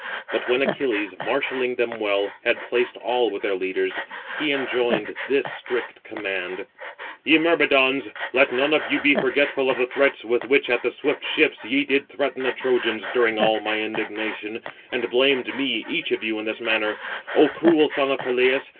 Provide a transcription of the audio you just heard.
But when Achilles, marshalling them well, had placed all with their leaders, he enjoined this strict command: "Ye Myrmidons, let none of you be forgetful of the threats with which, at the swift ships, ye did threaten the Trojans, during all my indignation, and blamed me, each of you [in this manner]: 'O cruel son of Peleus!